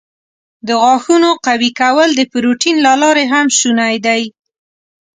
د غاښونو قوي کول د پروټین له لارې هم شونی دی.